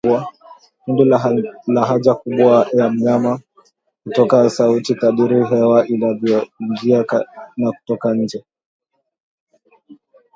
Tundu la haja kubwa ya mnyama hutoa sauti kadiri hewa inavyoingia na kutoka nje